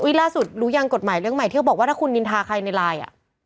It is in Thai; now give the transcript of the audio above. ล่าสุดรู้ยังกฎหมายเรื่องใหม่ที่เขาบอกว่าถ้าคุณนินทาใครในไลน์